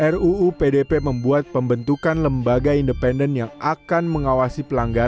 ruu pdp membuat pembentukan lembaga independen yang akan mengawasi pelanggaran